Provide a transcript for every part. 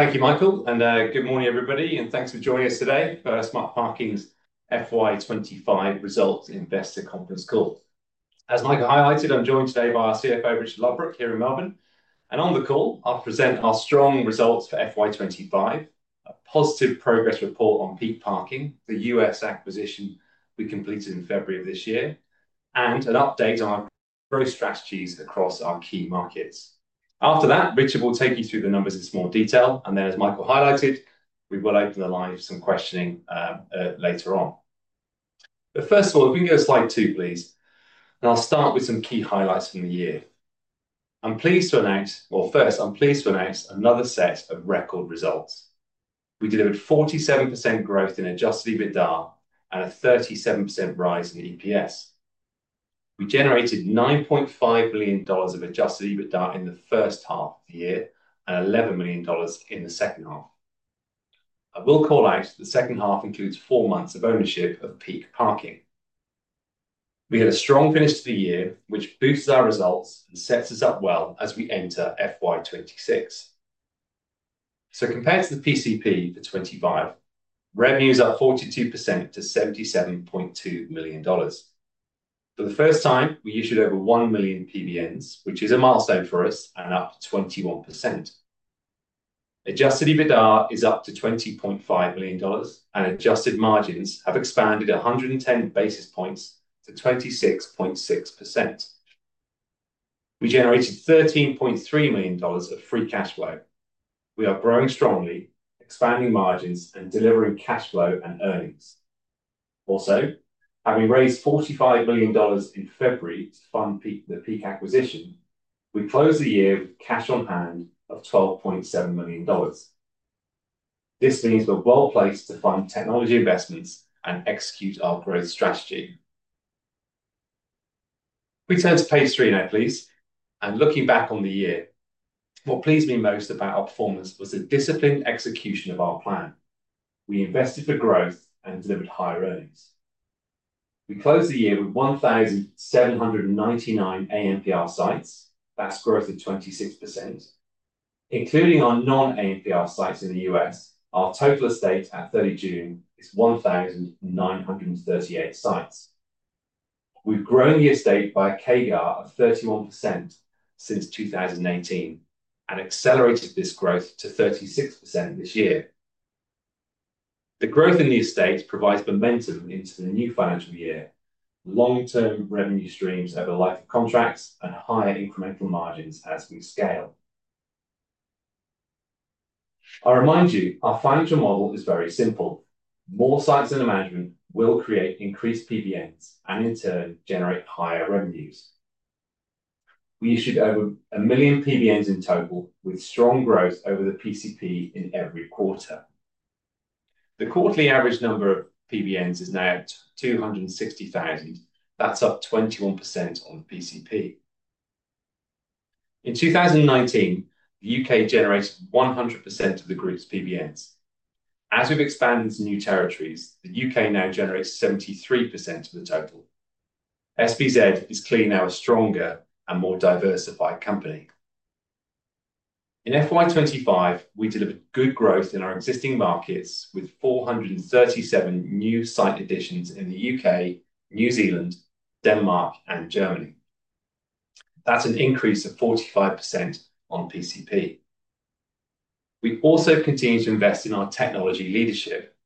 Thank you, Michael, and good morning, everybody, and thanks for joining us today for our Smart Parking FY 2025 Results Investor Conference call. As Michael highlighted, I'm joined today by our CFO, Richard Ludbrook, here in Melbourne. On the call, I'll present our strong results for FY 2025, a positive progress report on Peak Parking, the U.S. acquisition we completed in February of this year, and an update on our growth strategies across our key markets. After that, Richard will take you through the numbers in more detail, and then, as Michael highlighted, we will open the line for some questioning later on. If we can go to Slide 2, please, I'll start with some key highlights from the year. I'm pleased to announce another set of record results. We delivered 47% growth in adjusted EBITDA and a 37% rise in EPS. We generated $9.5 million of adjusted EBITDA in the first-half of the year and $11 million in the second-half. I will call out the second-half includes four months of ownership of Peak Parking. We had a strong finish to the year, which boosted our results and sets us up well as we enter FY 2026. Compared to the PCP for 2025, revenues are up 42% to $77.2 million. For the first time, we issued over 1 million PBNs, which is a milestone for us and up 21%. Adjusted EBITDA is up to $20.5 million, and adjusted margins have expanded 110 basis points to 26.6%. We generated $13.3 million of free cash flow. We are growing strongly, expanding margins, and delivering cash flow and earnings. Also, having raised $45 million in February to fund the Peak acquisition, we closed the year with cash on hand of $12.7 million. This means we're well placed to fund technology investments and execute our growth strategy. If we turn to Page 3 now, please, and looking back on the year, what pleased me most about our performance was the disciplined execution of our plan. We invested for growth and delivered high earnings. We closed the year with 1,799 ANPR sites. That's growth of 26%. Including our non-ANPR sites in the U.S., our total estate at 30 June is 1,938 sites. We've grown the estate by a CAGR of 31% since 2018 and accelerated this growth to 36% this year. The growth in the estate provides momentum into the new financial year, long-term revenue streams over a life of contracts, and higher incremental margins as we scale. I'll remind you, our financial model is very simple. More sites under management will create increased Parking PBNs and, in turn, generate higher revenues. We issued over a 1 million PBNs in total with strong growth over the PCP in every quarter. The quarterly average number of PBNs is now 260,000. That's up 21% on the PCP. In 2019, the U.K. generated 100% of the group's PBNs. As we've expanded to new territories, the U.K. now generates 73% of the total. SVZ is clearly now a stronger and more diversified company. In FY 2025, we delivered good growth in our existing markets with 437 new site additions in the U.K., New Zealand, Denmark, and Germany. That's an increase of 45% on PCP. We also continue to invest in our technology leadership.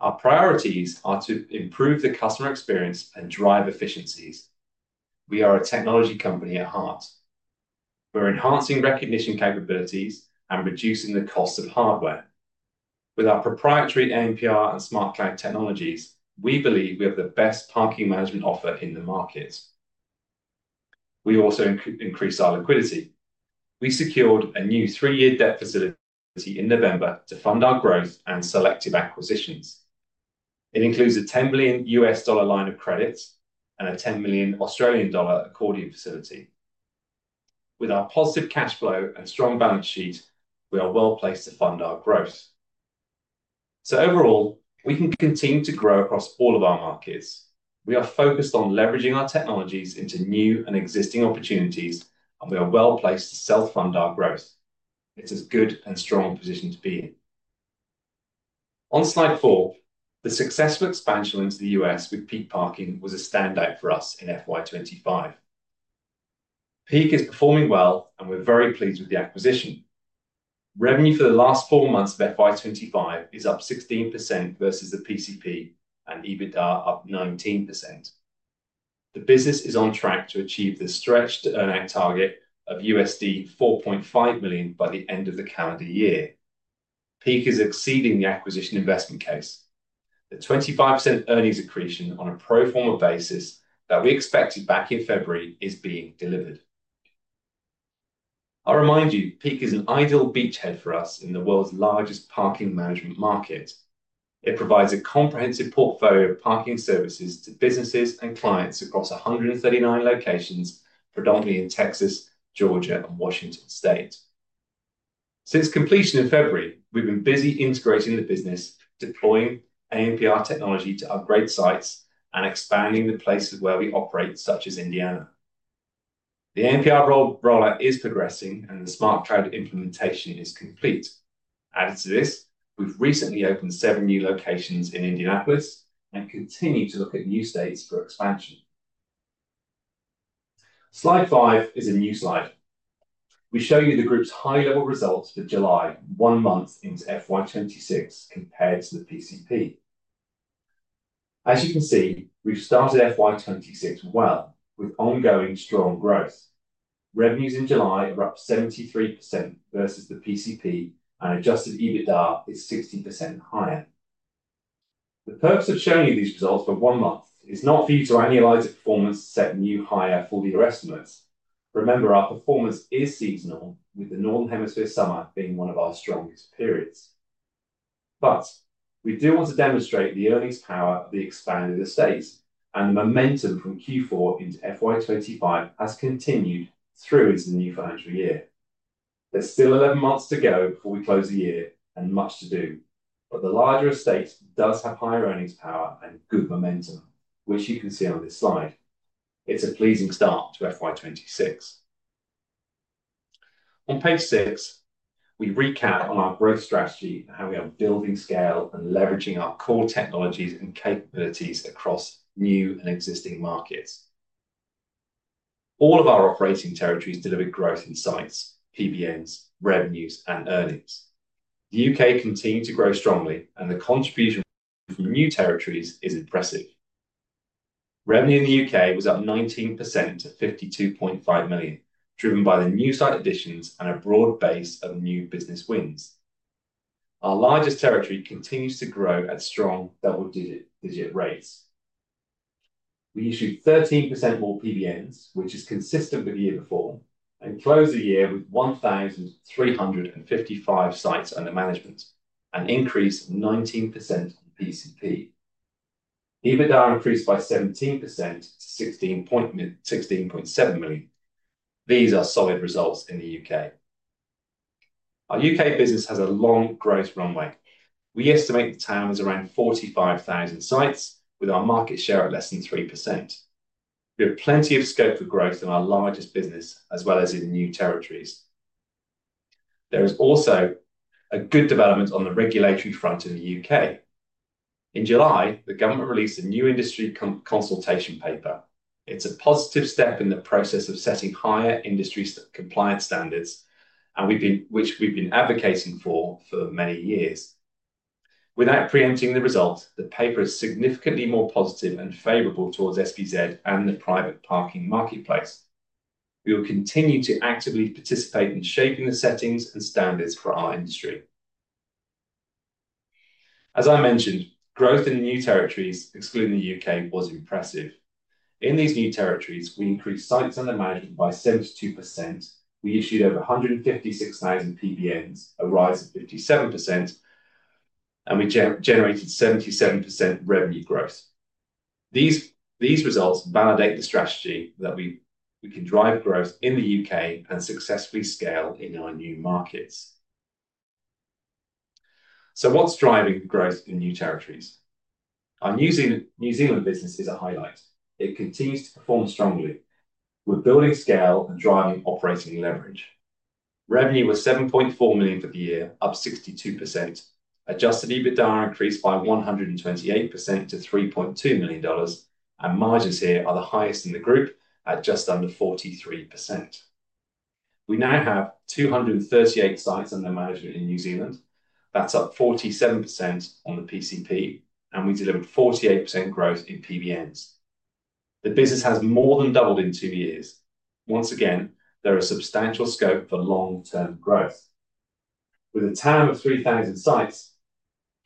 Our priorities are to improve the customer experience and drive efficiencies. We are a technology company at heart. We're enhancing recognition capabilities and reducing the cost of hardware. With our proprietary ANPR and Smart Flag technologies, we believe we have the best parking management offer in the markets. We also increased our liquidity. We secured a new three-year debt facility in November to fund our growth and selective acquisitions. It includes a $10 million line of credit and a 10 million Australian dollar accordion facility. With our positive cash flow and strong balance sheet, we are well placed to fund our growth. Overall, we can continue to grow across all of our markets. We are focused on leveraging our technologies into new and existing opportunities, and we are well placed to self-fund our growth. This is a good and strong position to be in. On slide four, the successful expansion into the U.S. with Peak Parking was a standout for us in FY 2025. Peak is performing well, and we're very pleased with the acquisition. Revenue for the last four months of FY 2025 is up 16% versus the PCP, and EBITDA up 19%. The business is on track to achieve the stretched earning target of $4.5 million by the end of the calendar year. Peak is exceeding the acquisition investment case. The 25% earnings accretion on a pro forma basis that we expected back in February is being delivered. I'll remind you, Peak is an ideal beachhead for us in the world's largest parking management market. It provides a comprehensive portfolio of parking services to businesses and clients across 139 locations, predominantly in Texas, Georgia, and Washington State. Since completion in February, we've been busy integrating the business, deploying ANPR technology to upgrade sites, and expanding the places where we operate, such as Indiana. The ANPR rollout is progressing, and the Smart Cloud implementation is complete. Added to this, we've recently opened seven new locations in Indianapolis and continue to look at new states for expansion. Slide 5 is a news slide. We show you the group's high-level results for July, one month into FY 2026, compared to the PCP. As you can see, we've started FY 2026 well with ongoing strong growth. Revenues in July are up 73% versus the PCP, and adjusted EBITDA is 60% higher. The purpose of showing you these results for one month is not for you to analyze the performance to set new high-end four-year estimates. Remember, our performance is seasonal, with the Northern Hemisphere summer being one of our strongest periods. We do want to demonstrate the earnings power of the expanded estates, and the momentum from Q4 into FY 2025 has continued through into the new financial year. There's still 11 months to go before we close the year and much to do, but the larger estates do have higher earnings power and good momentum, which you can see on this slide. It's a pleasing start to FY 2026. On Page 66, we recap on our growth strategy and how we are building scale and leveraging our core technologies and capabilities across new and existing markets. All of our operating territories delivered growth in sites, PBNs, revenues, and earnings. The U.K. continued to grow strongly, and the contribution from new territories is impressive. Revenue in the U.K. was up 19% to £52.5 million, driven by the new site additions and a broader base of new business wins. Our largest territory continues to grow at strong double-digit rates. We issued 13% more PBNs, which is consistent with the year before, and closed the year with 1,355 sites under management, an increase of 19% from PCP. EBITDA increased by 17% to £16.7 million. These are solid results in the U.K. Our U.K. business has a long growth runway. We estimate the total addressable market is around 45,000 sites, with our market share at less than 3%. We have plenty of scope for growth in our largest business, as well as in new territories. There is also a good development on the regulatory front in the U.K. In July, the government released a new industry consultation paper. It's a positive step in the process of setting higher industry compliance standards, which we've been advocating for for many years. Without preempting the results, the paper is significantly more positive and favorable towards SVZ and the private parking marketplace. We will continue to actively participate in shaping the settings and standards for our industry. As I mentioned, growth in new territories, excluding the U.K., was impressive. In these new territories, we increased sites under management by 72%, we issued over 156,000 PBNs, a rise of 57%, and we generated 77% revenue growth. These results validate the strategy that we can drive growth in the U.K. and successfully scale in our new markets. What's driving the growth in the new territories? Our New Zealand business is a highlight. It continues to perform strongly. We're building scale and driving operating leverage. Revenue was $7.4 million for the year, up 62%. Adjusted EBITDA increased by 128% to $3.2 million, and margins here are the highest in the group at just under 43%. We now have 238 sites under management in New Zealand. That's up 47% on the PCP, and we delivered 48% growth in PBNs. The business has more than doubled in two years. Once again, there is substantial scope for long-term growth. With a town of 3,000 sites,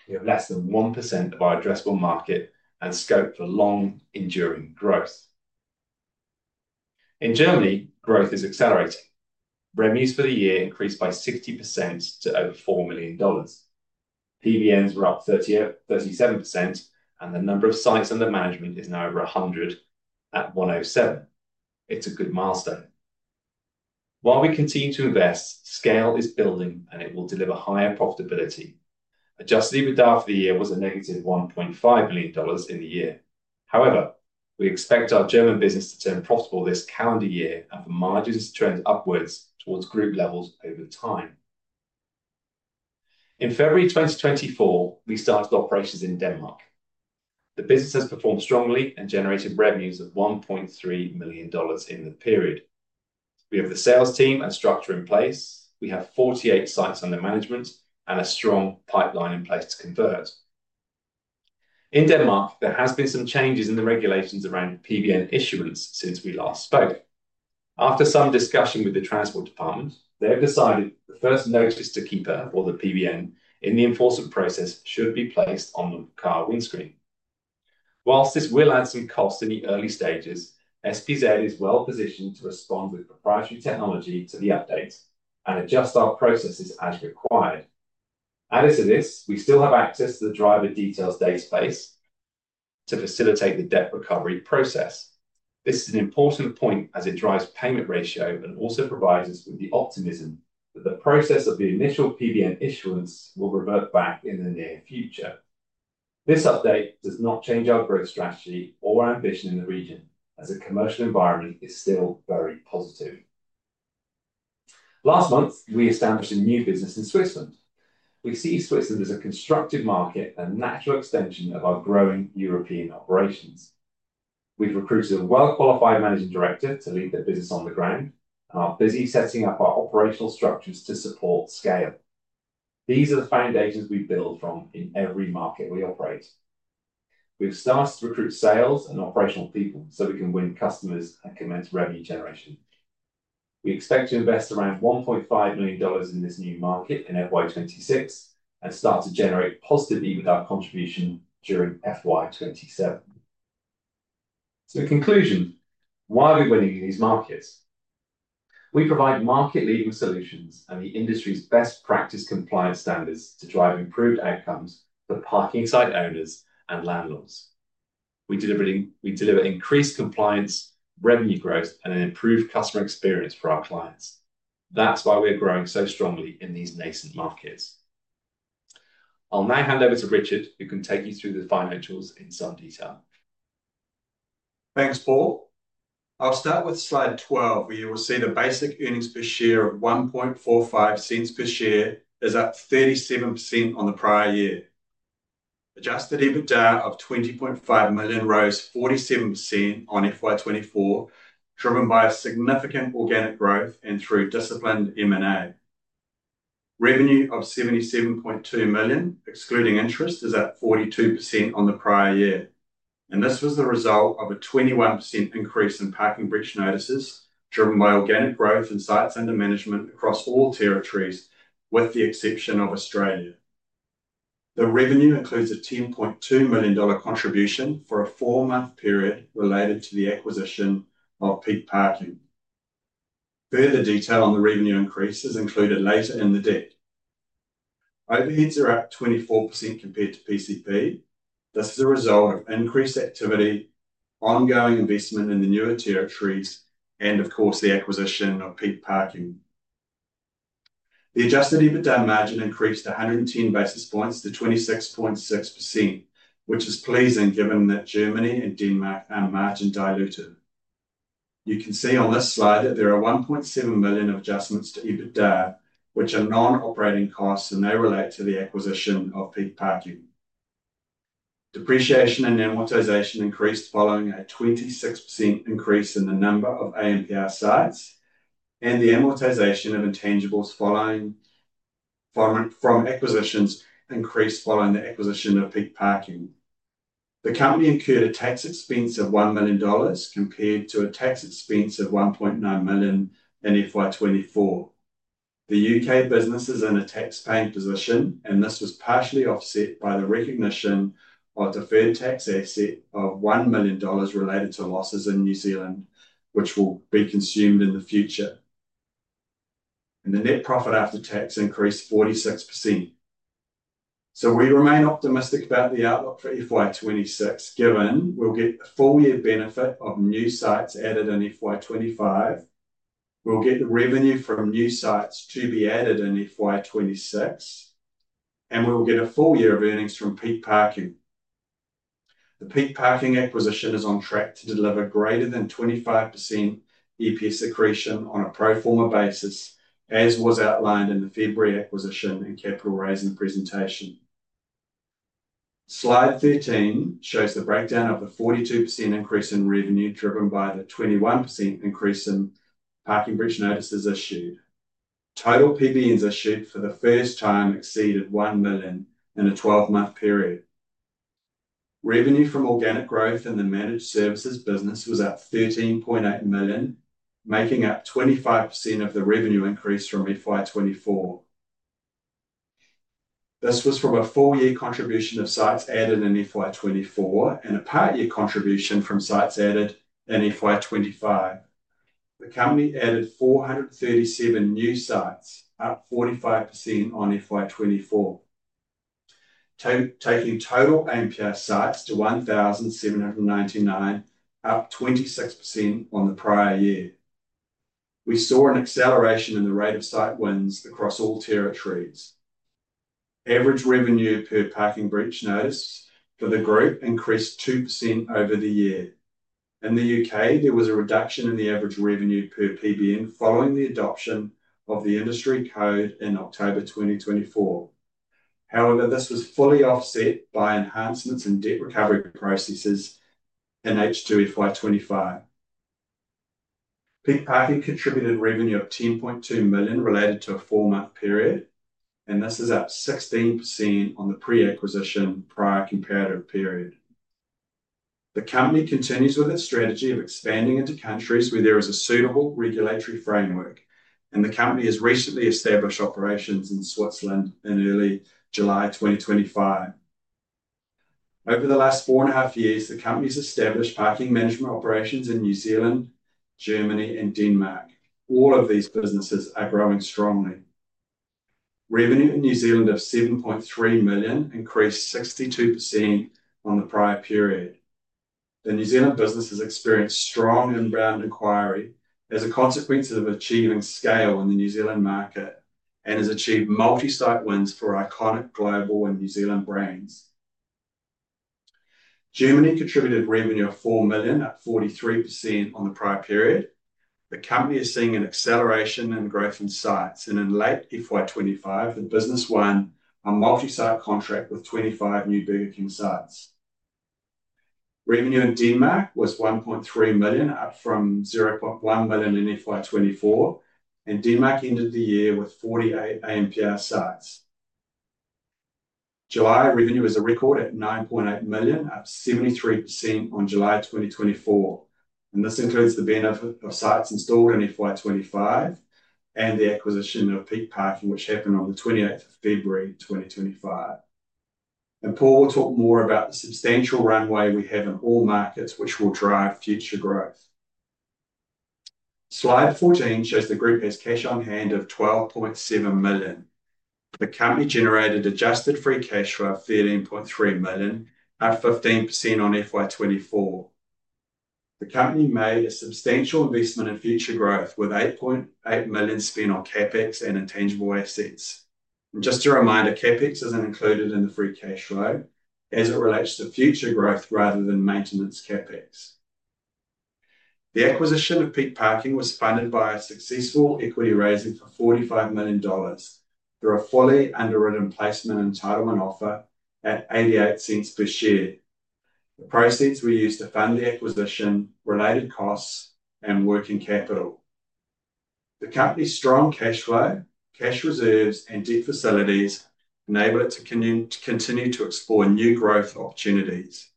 we have less than 1% of our addressable market and scope for long-enduring growth. In Germany, growth is accelerating. Revenues for the year increased by 60% to over $4 million. PBNs were up 37%, and the number of sites under management is now over 100 at 107. It's a good milestone. While we continue to invest, scale is building, and it will deliver higher profitability. Adjusted EBITDA for the year was a -$1.5 million in the year. However, we expect our German business to turn profitable this calendar year and for margins to trend upwards towards group levels over time. In February 2024, we started operations in Denmark. The business has performed strongly and generated revenues of $1.3 million in the period. We have the sales team and structure in place. We have 48 sites under management and a strong pipeline in place to convert. In Denmark, there have been some changes in the regulations around PBN issuance since we last spoke. After some discussion with the Transport Department, they have decided the first notice to keeper, or the PBN, in the enforcement process should be placed on the car windscreen. Whilst this will add some costs in the early stages, SVZ is well positioned to respond with proprietary technology to the update and adjust our processes as required. Added to this, we still have access to the driver details database to facilitate the debt recovery process. This is an important point as it drives payment ratio and also provides us with the optimism that the process of the initial PBN issuance will revert back in the near future. This update does not change our growth strategy or ambition in the region as the commercial environment is still very positive. Last month, we established a new business in Switzerland. We see Switzerland as a constructive market and a natural extension of our growing European operations. We've recruited a well-qualified Managing Director to lead the business on the ground and are busy setting up our operational structures to support scale. These are the foundations we build from in every market we operate. We've started to recruit sales and operational people so we can win customers and commence revenue generation. We expect to invest around $1.5 million in this new market in FY 2026 and start to generate positive EBITDA contribution during FY 2027. In conclusion, why are we winning in these markets? We provide market-leading solutions and the industry's best practice compliance standards to drive improved outcomes for parking site owners and landlords. We deliver increased compliance, revenue growth, and an improved customer experience for our clients. That's why we are growing so strongly in these nascent markets. I'll now hand over to Richard, who can take you through the financials in some detail. Thanks, Paul. I'll start with Slide 12, where you will see the basic earnings per share of $0.0145 per share is up 37% on the prior year. Adjusted EBITDA of $20.5 million rose 47% on FY 2024, driven by significant organic growth and through disciplined M&A. Revenue of $77.2 million, excluding interest, is up 42% on the prior year. This was the result of a 21% increase in Parking Breach Notices, driven by organic growth and sites under management across all territories, with the exception of Australia. The revenue includes a $10.2 million contribution for a four-month period related to the acquisition of Peak Parking. Further detail on the revenue increase is included later in the deck. Overheads are up 24% compared to PCP. This is a result of increased activity, ongoing investment in the newer territories, and, of course, the acquisition of Peak Parking. The adjusted EBITDA margin increased 110 basis points to 26.6%, which is pleasing given that Germany and Denmark are margin diluted. You can see on this slide that there are $1.7 million adjustments to EBITDA, which are non-operating costs and relate to the acquisition of Peak Parking. Depreciation and amortization increased following a 26% increase in the number of ANPR sites, and the amortization and intangibles from acquisitions increased following the acquisition of Peak Parking. The company incurred a tax expense of $1 million compared to a tax expense of $1.9 million in FY 2024. The U.K. business is in a tax-paying position, and this was partially offset by the recognition of a deferred tax asset of $1 million related to losses in New Zealand, which will be consumed in the future. The net profit after tax increased 46%. We remain optimistic about the outlook for FY 2026, given we'll get the full-year benefit of new sites added in FY 2025, we'll get the revenue from new sites to be added in FY 2026, and we'll get a full year of earnings from Peak Parking. The Peak Parking acquisition is on track to deliver greater than 25% EPS accretion on a pro forma basis, as was outlined in the February acquisition and capital raising presentation. Slide 13 shows the breakdown of the 42% increase in revenue driven by the 21% increase in Parking Breach Notices issued. Total PBNs issued for the first time exceeded 1 million in a 12-month period. Revenue from organic growth in the managed services business was up $13.8 million, making up 25% of the revenue increase from FY 2024. This was from a full-year contribution of sites added in FY 2024 and a part-year contribution from sites added in FY 2025. The company added 437 new sites, up 45% on FY 2024, taking total ANPR sites to 1,799, up 26% on the prior year. We saw an acceleration in the rate of site wins across all territories. Average revenue per Parking Breach Notice for the group increased 2% over the year. In the U.K., there was a reduction in the average revenue per PBN following the adoption of the industry code in October 2024. However, this was fully offset by enhancements in debt recovery for processes in HQ FY 2025. Peak Parking contributed a revenue of $10.2 million related to a four-month period, and this is up 16% on the pre-acquisition prior comparative period. The company continues with its strategy of expanding into countries where there is a suitable regulatory framework, and the company has recently established operations in Switzerland in early July 2025. Over the last four and a half years, the company has established parking management operations in New Zealand, Germany, and Denmark. All of these businesses are growing strongly. Revenue in New Zealand of $7.3 million increased 62% on the prior period. The New Zealand business has experienced strong inbound inquiry as a consequence of achieving scale in the New Zealand market and has achieved multi-site wins for iconic global and New Zealand brands. Germany contributed a revenue of $4 million, up 43% on the prior period. The company is seeing an acceleration in growth in sites, and in late FY 2025, the business won a multi-site contract with 25 new Burger King sites. Revenue in Denmark was $1.3 million, up from $0.1 million in FY 2024, and Denmark ended the year with 48 ANPR sites. July revenue was a record at $9.8 million, up 73% on July 2024, and this includes the buying of sites installed in FY 2025 and the acquisition of Peak Parking, which happened on the 28th of February 2025. Paul will talk more about the substantial runway we have in all markets, which will drive future growth. Slide 14 shows the group has cash on hand of $12.7 million. The company generated adjusted free cash flow of $13.3 million, up 15% on FY 2024. The company made a substantial investment in future growth with $8.8 million spent on CapEx and intangible assets. Just a reminder, CapEx isn't included in the free cash flow as it relates to future growth rather than maintenance CapEx. The acquisition of Peak Parking was funded by a successful equity raising for $45 million. There are fully underwritten placement entitlement offer at $0.88 per share. The proceeds were used to fund the acquisition, related costs, and working capital. The company's strong cash flow, cash reserves, and debt facilities enable it to continue to explore new growth opportunities.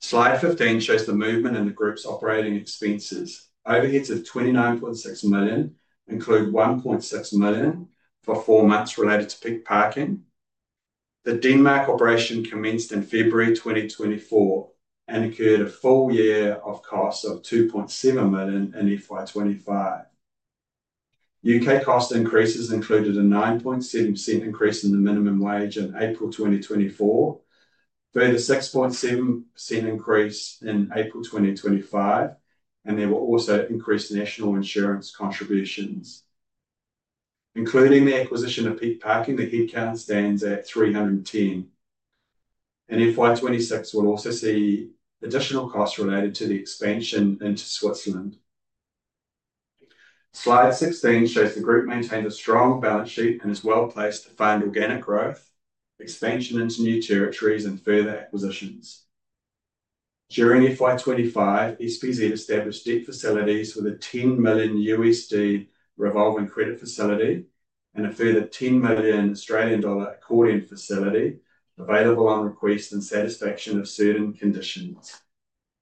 Slide 15 shows the movement in the group's operating expenses. Overheads of $29.6 million include $1.6 million for four months related to Peak Parking. The Denmark operation commenced in February 2024 and incurred a full year of costs of $2.7 million in FY 2025. U.K. cost increases included a 9.7% increase in the minimum wage in April 2024, a further 6.7% increase in April 2025, and they will also increase national insurance contributions. Including the acquisition of Peak Parking, the headcount stands at 310, and FY 2026 will also see additional costs related to the expansion into Switzerland. Slide 16 shows the group maintained a strong balance sheet and is well placed to fund organic growth, expansion into new territories, and further acquisitions. During FY 2025, SVZ established debt facilities with a $10 million revolving credit facility and a further AUD $10 million accordion facility available on request and satisfaction of certain conditions.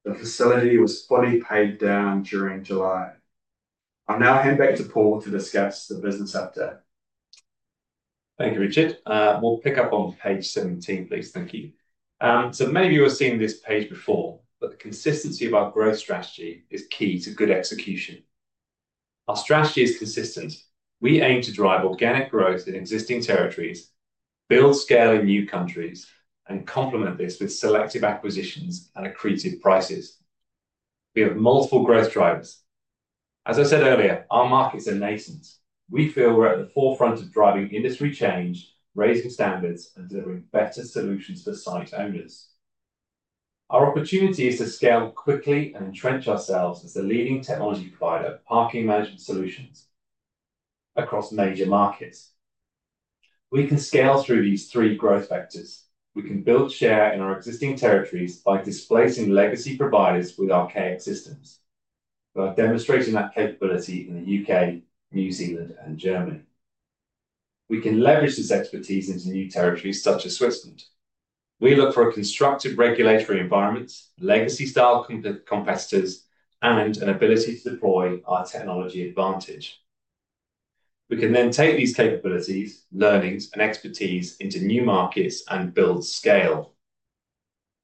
The facility was fully paid down during July. I'll now hand back to Paul to discuss the business update. Thank you, Richard. We'll pick up on Page 17, please. Thank you. Maybe you've seen this page before, but the consistency of our growth strategy is key to good execution. Our strategy is consistent. We aim to drive organic growth in existing territories, build scale in new countries, and complement this with selective acquisitions and accretive prices. We have multiple growth drivers. As I said earlier, our markets are nascent. We feel we're at the forefront of driving industry change, raising standards, and delivering better solutions for site owners. Our opportunity is to scale quickly and entrench ourselves as the leading technology provider of parking management solutions across major markets. We can scale through these three growth vectors. We can build share in our existing territories by displacing legacy providers with our chaos systems. We're demonstrating that capability in the U.K., New Zealand, and Germany. We can leverage this expertise into new territories such as Switzerland. We look for a constructive regulatory environment, legacy-style competitors, and an ability to deploy our technology advantage. We can then take these capabilities, learnings, and expertise into new markets and build scale.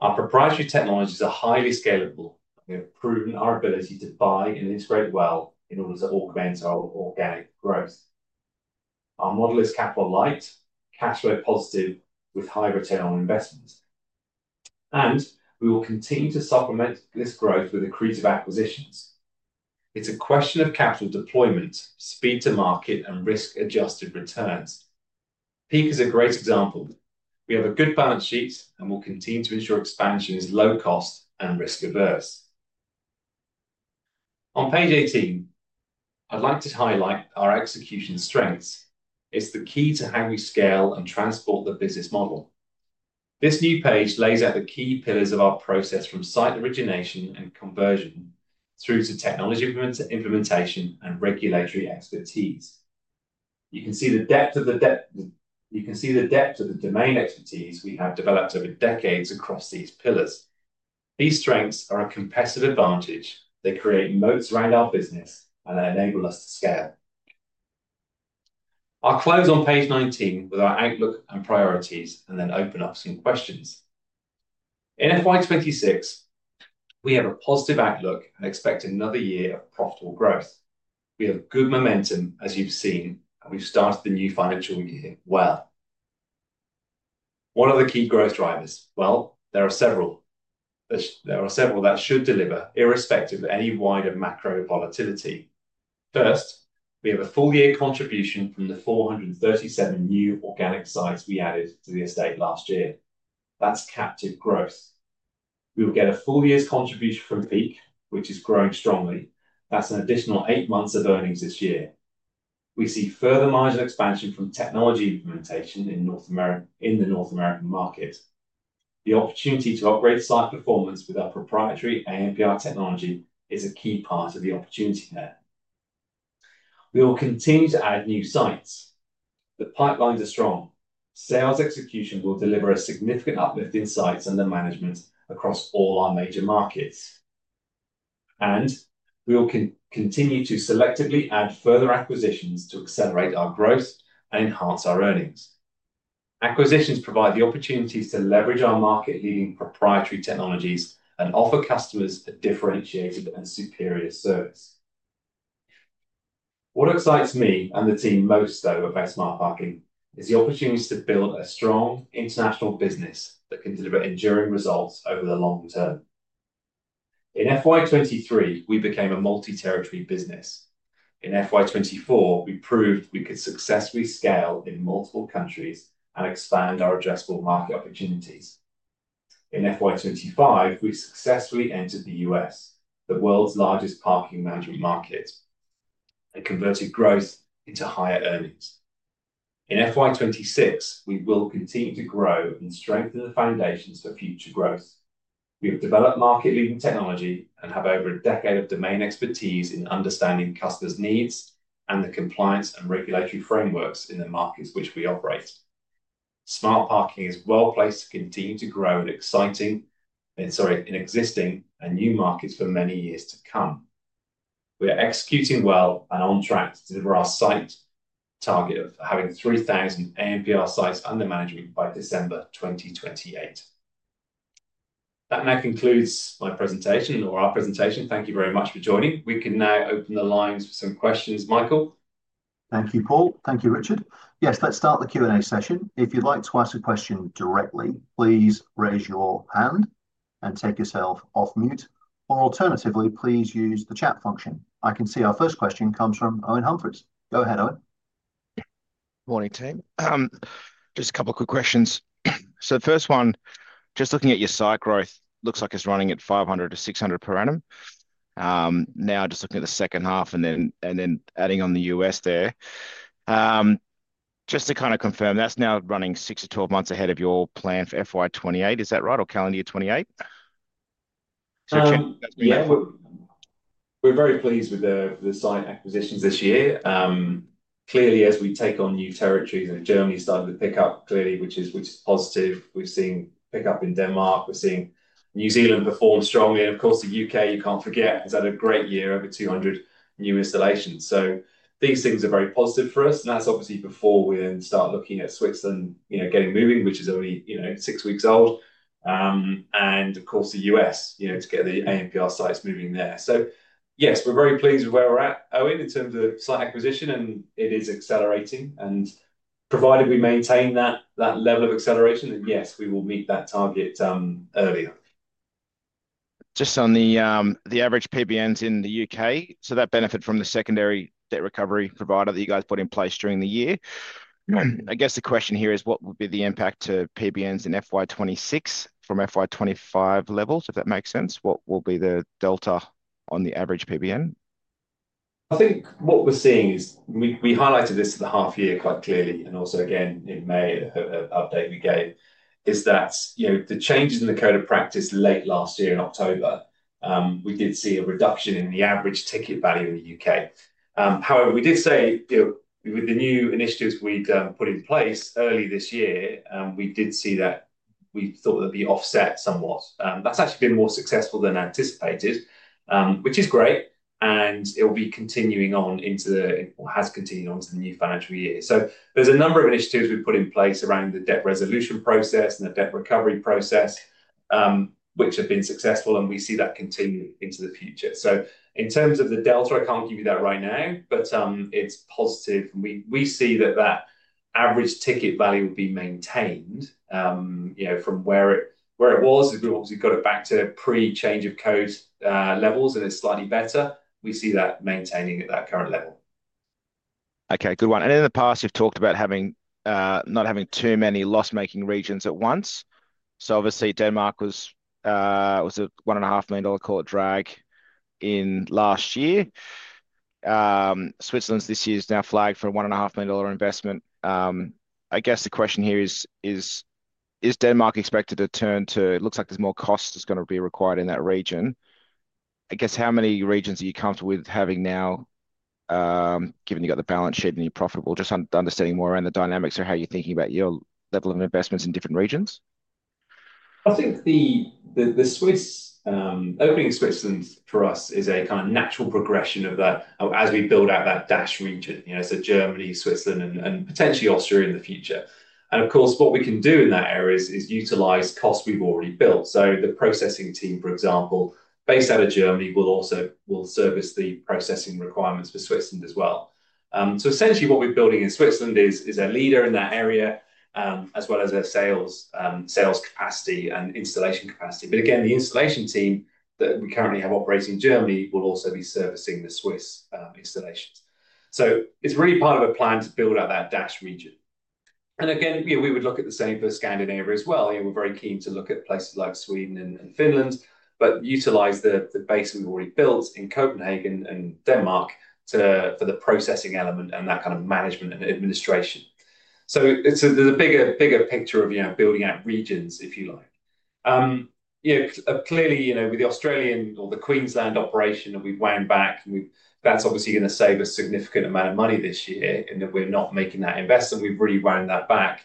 Our proprietary technologies are highly scalable. They have proven our ability to buy and integrate well in order to augment our organic growth. Our model is capital light, cash flow positive, with high return on investment. We will continue to supplement this growth with accretive acquisitions. It's a question of capital deployment, speed to market, and risk-adjusted returns. Peak is a great example. We have a good balance sheet, and we'll continue to ensure expansion is low cost and risk-averse. On Page 18, I'd like to highlight our execution strengths. It's the key to how we scale and transport the business model. This new page lays out the key pillars of our process from site origination and conversion through to technology implementation and regulatory expertise. You can see the depth of the domain expertise we have developed over decades across these pillars. These strengths are a competitive advantage. They create moats around our business and enable us to scale. I'll close on Page 19 with our outlook and priorities and then open up some questions. In FY 2026, we have a positive outlook and expect another year of profitable growth. We have good momentum, as you've seen, and we've started the new financial year well. What are the key growth drivers? There are several. There are several that should deliver, irrespective of any wider macro volatility. First, we have a full year contribution from the 437 new organic sites we added to the estate last year. That's captive growth. We'll get a full year's contribution from Peak, which is growing strongly. That's an additional eight months of earnings this year. We see further miles of expansion from technology implementation in the North American market. The opportunity to upgrade site performance with our proprietary ANPR technology is a key part of the opportunity there. We will continue to add new sites. The pipelines are strong. Sales execution will deliver a significant uplift in sites under management across all our major markets. We'll continue to selectively add further acquisitions to accelerate our growth and enhance our earnings. Acquisitions provide the opportunities to leverage our market-leading proprietary technologies and offer customers a differentiated and superior service. What excites me and the team most, though, about Smart Parking is the opportunity to build a strong international business that can deliver enduring results over the long-term. In FY 2023, we became a multi-territory business. In FY 2024, we proved we could successfully scale in multiple countries and expand our addressable market opportunities. In FY 2025, we successfully entered the U.S., the world's largest parking management market, and converted growth into higher earnings. In FY 2026, we will continue to grow and strengthen the foundations for future growth. We've developed market-leading technology and have over a decade of domain expertise in understanding customers' needs and the compliance and regulatory frameworks in the markets in which we operate. Smart Parking is well placed to continue to grow in existing and new markets for many years to come. We are executing well and on track to deliver our site target of having 3,000 ANPR sites under management by December 2028. That now concludes my presentation or our presentation. Thank you very much for joining. We can now open the lines for some questions, Michael. Thank you, Paul. Thank you, Richard. Yes, let's start the Q&A session. If you'd like to ask a question directly, please raise your hand and take yourself off mute, or alternatively, please use the chat function. I can see our first question comes from Owen Humphries. Go ahead, Owen. Morning, team. Just a couple of quick questions. The first one, just looking at your site growth, looks like it's running at 500-600 per annum. Now, just looking at the second-half and then adding on the U.S. there, just to kind of confirm, that's now running six to 12 months ahead of your plan for FY 2028. Is that right, or calendar year 2028? We're very pleased with the site acquisitions this year. Clearly, as we take on new territory, Germany's starting to pick up, which is positive. We're seeing pickup in Denmark. We're seeing New Zealand perform strongly, and of course, the U.K., you can't forget, has had a great year with over 200 new installations. These things are very positive for us. That's obviously before we then start looking at Switzerland getting moving, which is only six weeks old. Of course, the U.S., to get the ANPR sites moving there. Yes, we're very pleased with where we're at, Owen, in terms of site acquisition, and it is accelerating. Provided we maintain that level of acceleration, we will meet that target earlier. Just on the average PBNs in the U.K., does that benefit from the secondary debt recovery provider that you guys put in place during the year? I guess the question here is what would be the impact to PBNs in FY 2026 from FY 2025 levels, if that makes sense. What will be the delta on the average PBN? I think what we're seeing is we highlighted this in the half-year quite clearly, and also again in May, update the date, is that, you know, the changes in the code of practice late last year in October, we did see a reduction in the average ticket value in the U.K. However, we did say, you know, with the new initiatives we'd put in place early this year, we did see that we thought they'd be offset somewhat. That's actually been more successful than anticipated, which is great, and it'll be continuing on into the, or has continued on to the new financial year. There's a number of initiatives we've put in place around the debt resolution process and the debt recovery process, which have been successful, and we see that continue into the future. In terms of the delta, I can't give you that right now, but it's positive. We see that that average ticket value will be maintained. You know, from where it was, we've obviously got it back to pre-change of code levels, and it's slightly better. We see that maintaining at that current level. Okay, good one. In the past, you've talked about not having too many loss-making regions at once. Obviously, Denmark was a $1.5 million court drag in last year. Switzerland's this year is now flagged for a $1.5 million investment. I guess the question here is, is Denmark expected to turn too? It looks like there's more cost that's going to be required in that region. How many regions are you comfortable with having now, given you've got the balance sheet and you're profitable? Just understanding more around the dynamics of how you're thinking about your level of investments in different regions. I think the opening of Switzerland for us is a kind of natural progression of that as we build out that DACH region, you know, so Germany, Switzerland, and potentially Austria in the future. Of course, what we can do in that area is utilize costs we've already built. The processing team, for example, based out of Germany, will also service the processing requirements for Switzerland as well. Essentially, what we're building in Switzerland is a leader in that area, as well as a sales capacity and installation capacity. The installation team that we currently have operating in Germany will also be servicing the Swiss installations. It's really part of a plan to build out that DACH region. We would look at the same for Scandinavia as well. We're very keen to look at places like Sweden and Finland, but utilize the base we've already built in Copenhagen and Denmark for the processing element and that kind of management and administration. There's a bigger picture of building out regions, if you like. Clearly, with the Australian or the Queensland operation, we've wound back, and that's obviously going to save a significant amount of money this year. If we're not making that investment, we've really wound that back.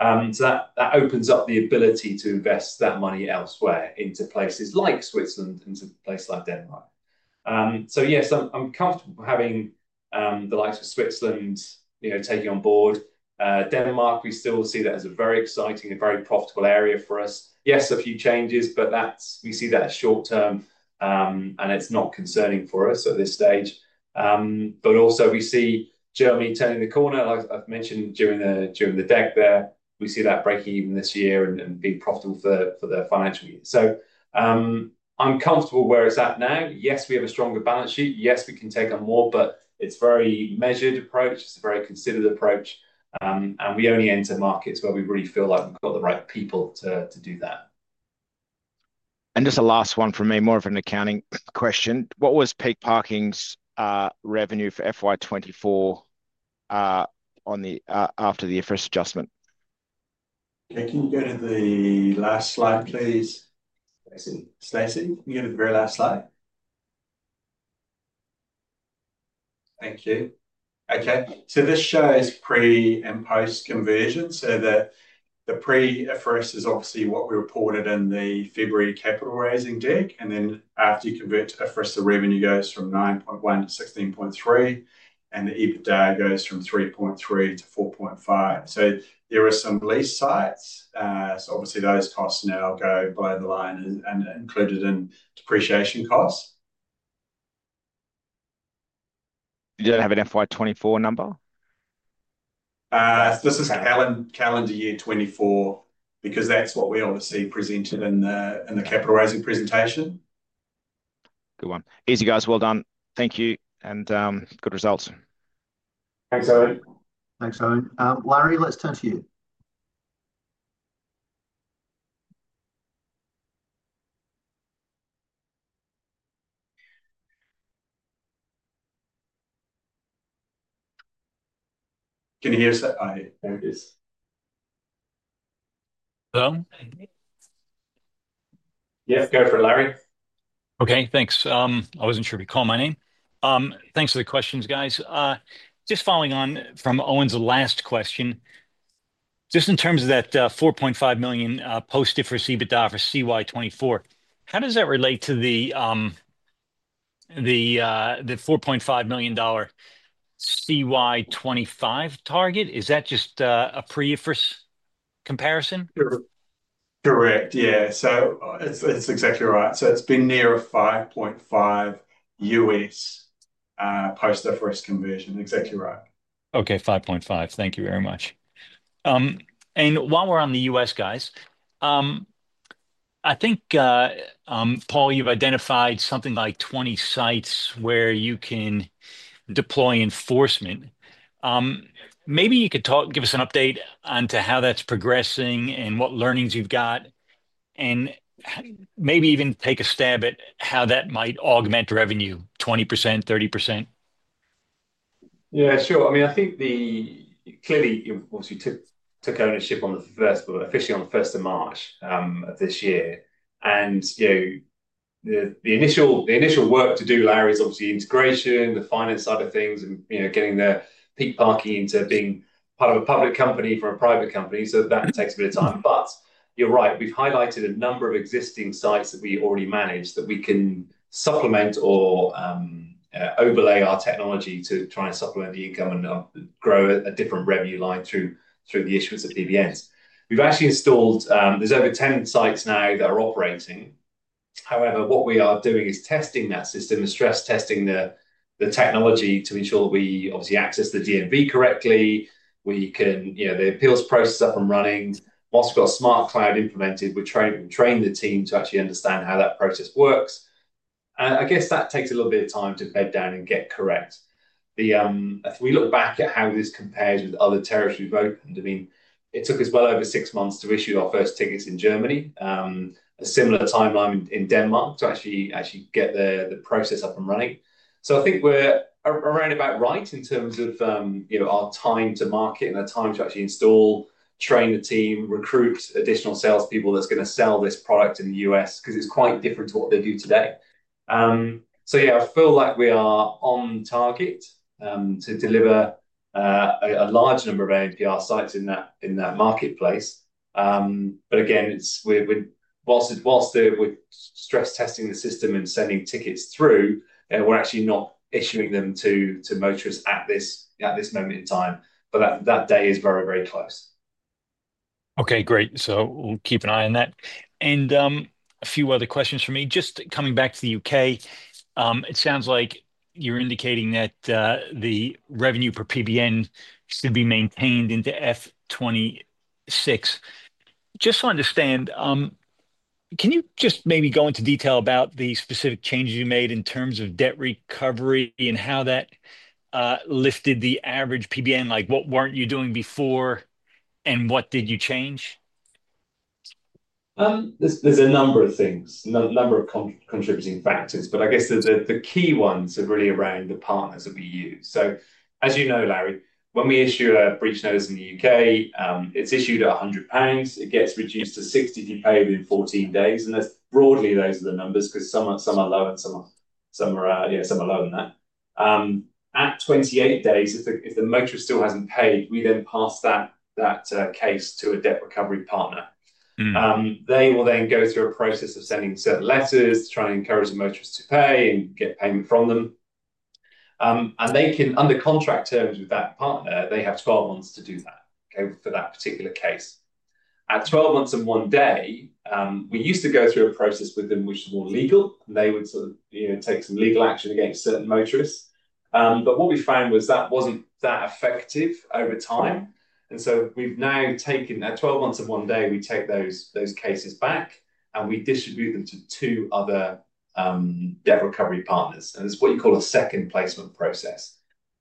That opens up the ability to invest that money elsewhere into places like Switzerland and to places like Denmark. Yes, I'm comfortable having the likes of Switzerland taken on board. Denmark, we still see that as a very exciting and very profitable area for us. Yes, a few changes, but we see that as short-term, and it's not concerning for us at this stage. We see Germany turning the corner, as I've mentioned during the deck there. We see that breaking even this year and being profitable for the financial year. I'm comfortable where it's at now. Yes, we have a stronger balance sheet. Yes, we can take on more, but it's a very measured approach. It's a very considered approach. We only enter markets where we really feel like we've got the right people to do that. Just a last one from me, more of an accounting question. What was Peak Parking's revenue for FY 2024 after the FS adjustment? Can you go to the last slide, please? Stacey, can you go to the very last slide? Thank you. Okay, this shows pre and post-conversion. The pre-FS is obviously what we reported in the February capital raising deck. After you convert to FS, the revenue goes from $9.1 million-$16.3 million, and the EBITDA goes from $3.3 million-$4.5 million. There are some lease sites, so those costs now go below the line and are included in depreciation costs. You don't have an FY 2024 number? This is calendar year 2024, because that's what we obviously presented in the capital raising presentation. Good one. Easy, guys, well done. Thank you and good results. Thanks, Owen. Larry, let's turn to you. Can you hear us? Yes, go for it, Larry. Okay, thanks. I wasn't sure if you'd call my name. Thanks for the questions, guys. Just following on from Owen's last question. In terms of that $4.5 million post-difference EBITDA for CY 2024, how does that relate to the $4.5 million CY 2025 target? Is that just a pre-difference comparison? Correct, yeah. That's exactly right. It's been near $5.5 post-difference conversion, exactly right. Okay, $5.5. Thank you very much. While we're on the U.S., guys, I think, Paul, you've identified something like 20 sites where you can deploy enforcement. Maybe you could give us an update on how that's progressing and what learnings you've got, and maybe even take a stab at how that might augment revenue 20%, 30%. Yeah, sure. I mean, I think clearly, you obviously took ownership on the first, but officially on the 1st of March of this year. The initial work to do, Larry, is obviously integration, the finance side of things, and getting Peak Parking into being part of a public company from a private company. That takes a bit of time. You're right, we've highlighted a number of existing sites that we already manage that we can supplement or overlay our technology to try and supplement the income and grow a different revenue line through the issues of PBNs. We've actually installed, there's over 10 sites now that are operating. However, what we are doing is testing that system, stress testing the technology to ensure that we obviously access the DMV correctly. We can, you know, the appeals process is up and running. Once we've got a smart cloud implemented, we're trying to train the team to actually understand how that process works. I guess that takes a little bit of time to bed down and get correct. We look back at how this compares with other territories we've opened. I mean, it took us well over six months to issue our first tickets in Germany, a similar timeline in Denmark to actually get the process up and running. I think we're around about right in terms of our time to market and our time to actually install, train the team, recruit additional salespeople that's going to sell this product in the U.S. because it's quite different to what they do today. Yeah, I feel like we are on target to deliver a large number of ANPR sites in that marketplace. Again, whilst we're stress testing the system and sending tickets through, we're actually not issuing them to motorists at this moment in time, but that day is very, very close. Okay, great. We'll keep an eye on that. A few other questions from me. Just coming back to the U.K., it sounds like you're indicating that the revenue per PBN should be maintained into F 2026. Just to understand, can you maybe go into detail about the specific changes you made in terms of debt recovery and how that lifted the average PBN? Like what weren't you doing before and what did you change? There are a number of things, a number of contributing factors, but I guess the key ones are really around the partners that we use. As you know, Larry, when we issue a Breach Notice in the U.K., it's issued at £100. It gets reduced to £60 if you pay within 14 days, and that's broadly those are the numbers because some are lower than that. At 28 days, if the motorist still hasn't paid, we then pass that case to a debt recovery partner. They will then go through a process of sending certain letters to try and encourage the motorists to pay and get payment from them. Under contract terms with that partner, they have 12 months to do that for that particular case. At 12 months and one day, we used to go through a process with them which is more legal, and they would take some legal action against certain motorists. What we found was that wasn't that effective over time. We have now taken, at 12 months and one day, those cases back and we distribute them to two other debt recovery partners. It's what you call a second placement process,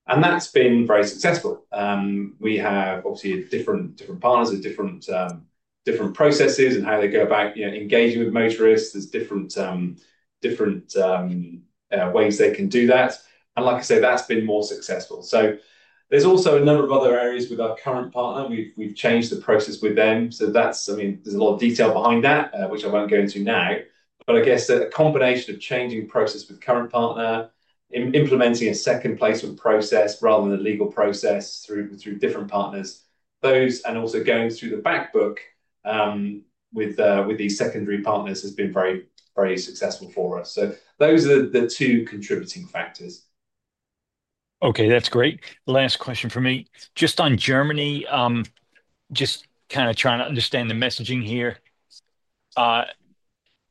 and that's been very successful. We have different partners with different processes and how they go about engaging with motorists. There are different ways they can do that. Like I said, that's been more successful. There are also a number of other areas with our current partner. We've changed the process with them. There's a lot of detail behind that, which I won't go into now. A combination of changing the process with the current partner, implementing a second placement process rather than a legal process through different partners, and also going through the backbook with these secondary partners has been very, very successful for us. Those are the two contributing factors. Okay, that's great. Last question from me. Just on Germany, just kind of trying to understand the messaging here.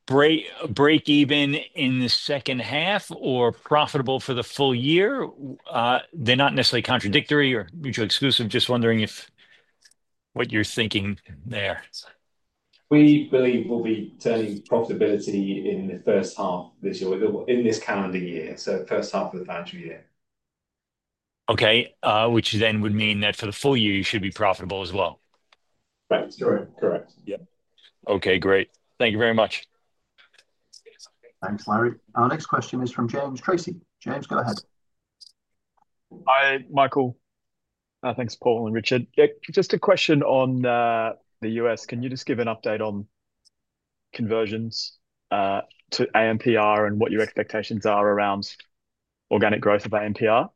Break even in the second-half or profitable for the full year? They're not necessarily contradictory or mutually exclusive. Just wondering if what you're thinking there. We believe we'll be turning profitability in the first-half of this year, in this calendar year, the first-half of the financial year. Okay, which then would mean that for the full year, you should be profitable as well? Yep. Okay, great. Thank you very much. Thanks, Larry. Our next question is from James [Tracy.] James, go ahead. Hi, Michael. Thanks, Paul and Richard. Just a question on the U.S. Can you give an update on conversions to ANPR and what your expectations are around organic growth of ANPR?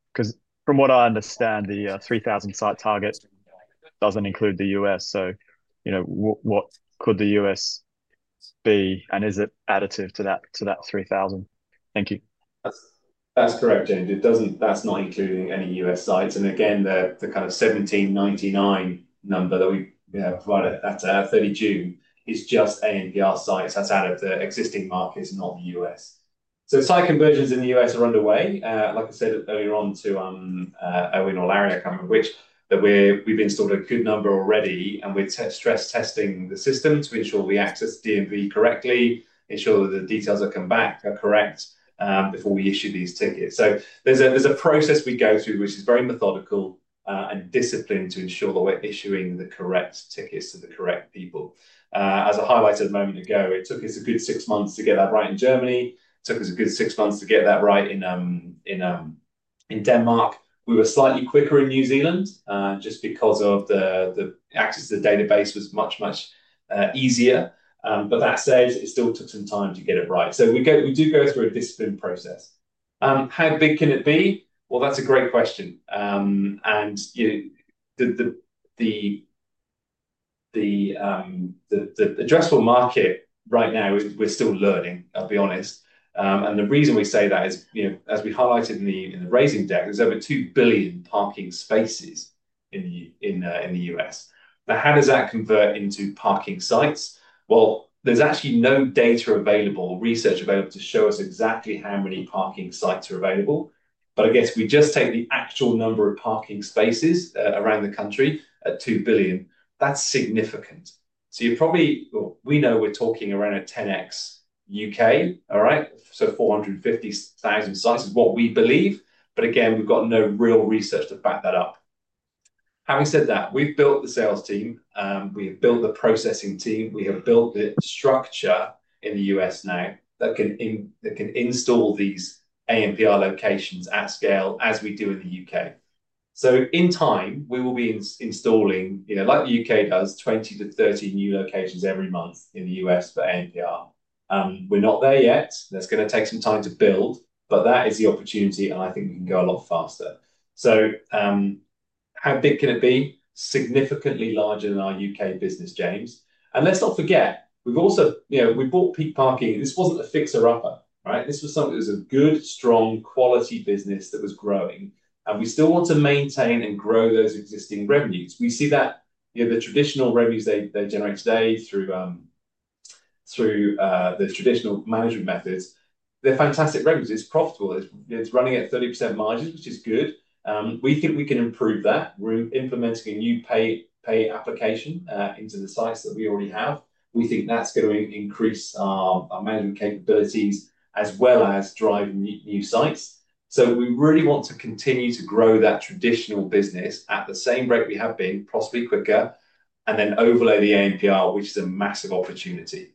From what I understand, the 3,000 site target doesn't include the U.S. What could the U.S. be, and is it additive to that 3,000? Thank you. That's correct, James. It doesn't, that's not including any U.S. sites. The kind of 1,799 number that we provide after 30 June is just ANPR sites that's out of the existing markets, not the U.S. Site conversions in the U.S. are underway. Like I said earlier on to Owen or Larry, we've installed a good number already, and we're stress testing the system to ensure we access the DMV correctly, ensure the details that come back are correct before we issue these tickets. There's a process we go through which is very methodical and disciplined to ensure that we're issuing the correct tickets to the correct people. As I highlighted a moment ago, it took us a good six months to get that right in Germany. It took us a good six months to get that right in Denmark. We were slightly quicker in New Zealand just because the access to the database was much, much easier. That said, it still took some time to get it right. We do go through a disciplined process. How big can it be? That's a great question. The addressable market right now, we're still learning, I'll be honest. The reason we say that is, as we highlighted in the raising deck, there's over 2 billion parking spaces in the U.S. How does that convert into parking sites? There's actually no data available or research available to show us exactly how many parking sites are available. I guess if we just take the actual number of parking spaces around the country at 2 billion, that's significant. You're probably, we know we're talking around a 10x U.K., all right? 450,000 sites is what we believe. Again, we've got no real research to back that up. Having said that, we've built the sales team. We have built the processing team. We have built the structure in the U.S. now that can install these ANPR locations at scale as we do in the U.K.. In time, we will be installing, like the U.K. does, 20-30 new locations every month in the U.S. for ANPR. We're not there yet. That's going to take some time to build, but that is the opportunity, and I think it can go a lot faster. How big can it be? Significantly larger than our U.K. business, James. Let's not forget, we've also, you know, we bought Peak Parking. This wasn't a fixer-upper, right? This was something that was a good, strong, quality business that was growing. We still want to maintain and grow those existing revenues. We see that the traditional revenues they generate today through the traditional management methods, they're fantastic revenues. It's profitable. It's running at 30% margins, which is good. We think we can improve that. We're implementing a new pay application into the sites that we already have. We think that's going to increase our management capabilities as well as drive new sites. We really want to continue to grow that traditional business at the same rate we have been, possibly quicker, and then overlay the ANPR, which is a massive opportunity.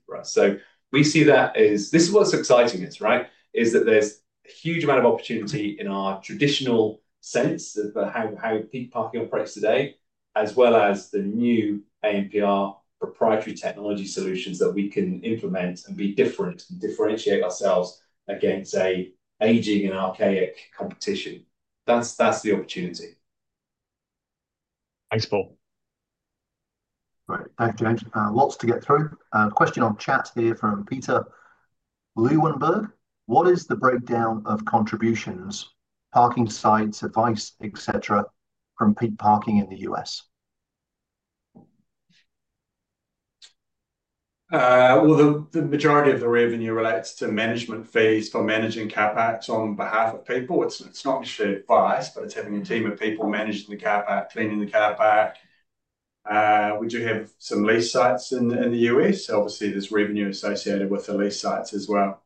We see that as this is what's exciting, right? There's a huge amount of opportunity in our traditional sense of how Peak Parking operates today, as well as the new ANPR proprietary technology solutions that we can implement and be different and differentiate ourselves against an aging and archaic competition. That's the opportunity. Thanks, Paul. Thank you, James. Lots to get through. Question on chat here from Peter Lewenberg. What is the breakdown of contributions, parking sites, advice, etc. from Peak Parking in the U.S.? The majority of the revenue relates to management fees for managing car parks on behalf of people. It's not shared bias, but it's having a team of people managing the car parks, cleaning the car parks. We do have some lease sites in the U.S. Obviously, there's revenue associated with the lease sites as well.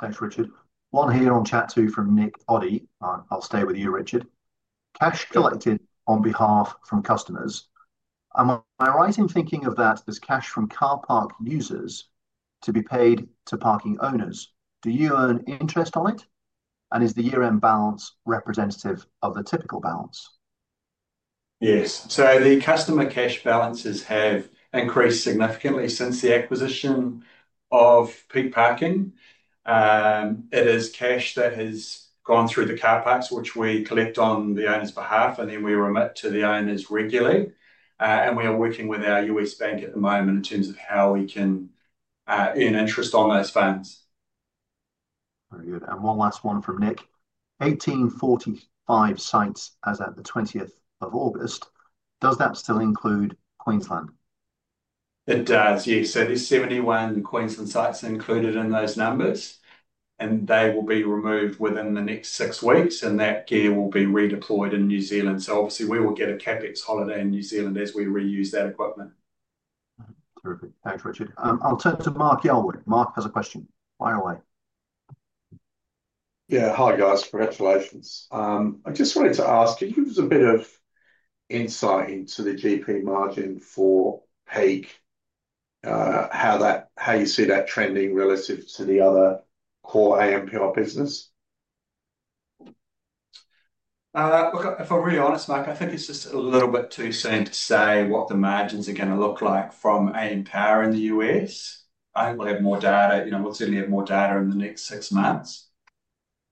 Thanks, Richard. One here on chat too from Nick Oddy. I'll stay with you, Richard. Cash collected on behalf from customers. Am I right in thinking of that as cash from car park users to be paid to parking owners? Do you earn interest on it? And is the year-end balance representative of the typical balance? Yes. The customer cash balances have increased significantly since the acquisition of Peak Parking. It is cash that has gone through the car parks, which we collect on the owner's behalf, and then we remit to the owners regularly. We are working with our U.S. bank at the moment in terms of how we can earn interest on those funds. Very good. One last one from Nick. 1,845 sites as at the 20th of August. Does that still include Queensland? It does, yes. There are 71 Queensland sites included in those numbers, and they will be removed within the next six weeks, and that gear will be redeployed in New Zealand. Obviously, we will get a CapEx holiday in New Zealand as we reuse that equipment. Perfect. Thanks, Richard. I'll turn to Mark Yardwood. Mark has a question. Why are we? Yeah. Hi, guys. Congratulations. I just wanted to ask, could you give us a bit of insight into the GP margin for Peak, how you see that trending relative to the other core ANPR business? If I'm really honest, Mark, I think it's just a little bit too soon to say what the margins are going to look like from ANPR in the U.S. I think we'll have more data. We'll certainly have more data in the next six months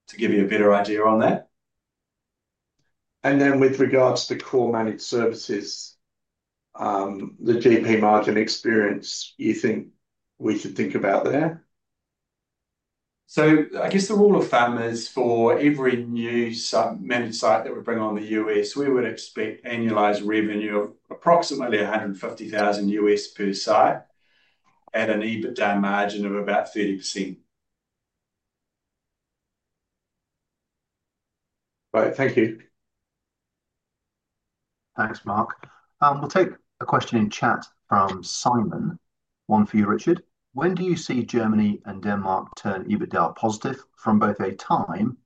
to give you a better idea on that. With regards to the core managed services, the GP margin experience, you think we should think about there? I guess the rule of thumb is for every new managed site that we bring on in the U.S., we would expect annualized revenue of approximately $150,000 per site at an EBITDA margin of about 30%. Right. Thank you. Thanks, Mark. We'll take a question in chat from Simon. One for you, Richard. When do you see Germany and Denmark turn EBITDA positive from both a time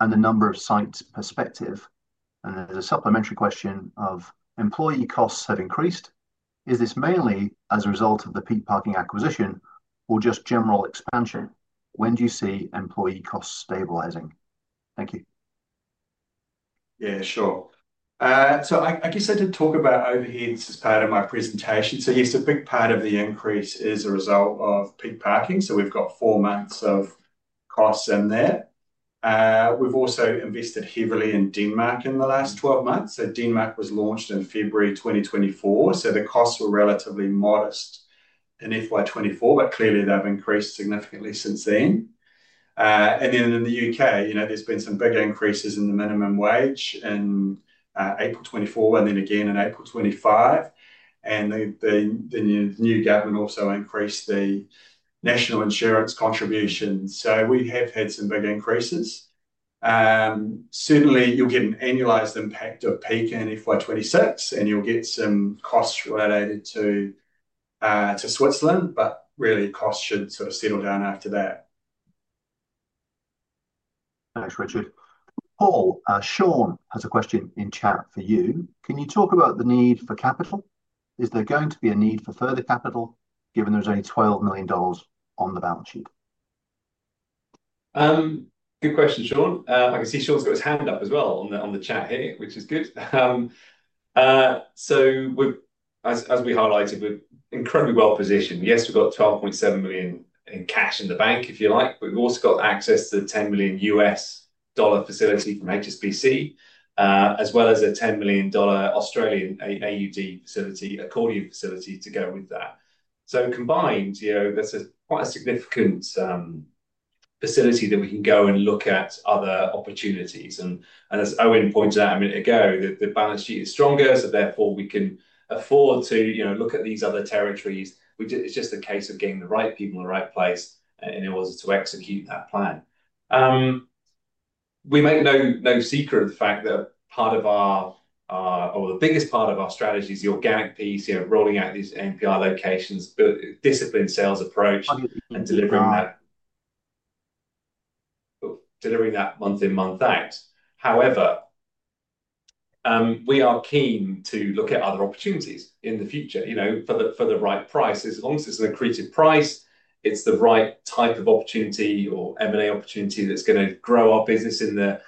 and the number of sites perspective? There's a supplementary question of employee costs have increased. Is this mainly as a result of the Peak Parking acquisition or just general expansion? When do you see employee costs stabilizing? Thank you. Yeah, sure. I guess I did talk about overheads as part of my presentation. Yes, a big part of the increase is a result of Peak Parking. We've got four months of costs in there. We've also invested heavily in Denmark in the last 12 months. Denmark was launched in February 2024, so the costs were relatively modest in FY 2024, but clearly they've increased significantly since then. In the U.K., there's been some big increases in the minimum wage in April 2024 and then again in April 2025. The new government also increased the national insurance contributions. We have had some big increases. Certainly, you'll get an annualized impact of Peak in FY 2026, and you'll get some costs related to Switzerland, but really costs should sort of settle down after that. Thanks, Richard. Oh, Sean has a question in chat for you. Can you talk about the need for capital? Is there going to be a need for further capital given there's only $12 million on the balance sheet? Good question, Sean. I can see Sean's got his hand up as well on the chat here, which is good. As we highlighted, we're incredibly well positioned. Yes, we've got $12.7 million in cash in the bank, if you like. We've also got access to the $10 million U.S.D facility from HSBC, as well as a 10 million AUD facility, accordion facility to go with that. Combined, that's quite a significant facility that we can go and look at other opportunities. As Owen pointed out a minute ago, the balance sheet is stronger, so therefore we can afford to look at these other territories. It's just a case of getting the right people in the right place in order to execute that plan. We make no secret of the fact that part of our, or the biggest part of our strategy is the organic piece, rolling out these ANPR locations, but disciplined sales approach, delivering that month in month out. However, we are keen to look at other opportunities in the future, for the right price. As long as it's an accretive price, it's the right type of opportunity or M&A opportunity that's going to grow our business in the